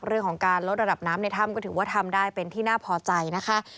เรื่องของการลดระดับน้ำในถ้ำก็ถือว่าทำได้เป็นที่น่าพอใจนะคะ